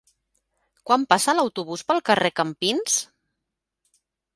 Quan passa l'autobús pel carrer Campins?